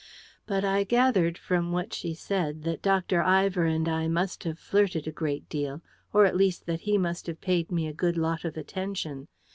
But I gathered from what she said, that Dr. Ivor and I must have flirted a great deal; or, at least, that he must have paid me a good lot of attention.